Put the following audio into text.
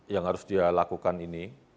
yang harus dia lakukan ini